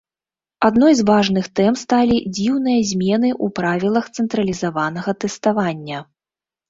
Адной з важных тэм сталі дзіўныя змены ў правілах цэнтралізаванага тэставання.